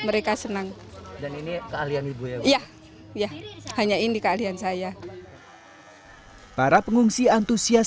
mereka senang dan ini keahlian ibu ya iya hanya ini keahlian saya para pengungsi antusias